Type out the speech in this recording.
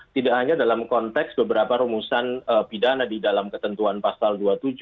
tidak hanya dalam konteks beberapa rumusan pidana di dalam ketentuan pasal dua puluh tujuh dua puluh delapan dua puluh sembilan